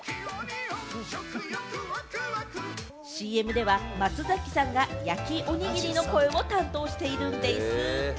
ＣＭでは、松崎さんが焼きおにぎりの声を担当しているんでぃす。